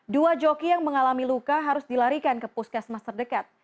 dua joki yang mengalami luka harus dilarikan ke puskesmas terdekat